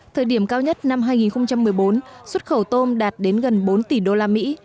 thời điểm cao nhất năm hai nghìn một mươi bốn xuất khẩu tôm đạt đến gần bốn tỷ đô la mỹ